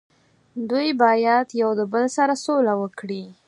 دوي باید یو د بل سره سوله وکړي